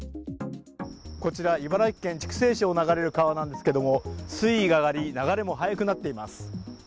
こちら、茨城県筑西市を流れる川なんですけれども、水位が上がり、流れも速くなっています。